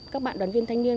các bạn đoàn viên thanh niên